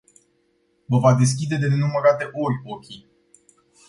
Vă va deschide de nenumărate ori ochii.